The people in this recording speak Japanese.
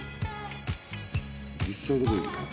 実際どこ行くの？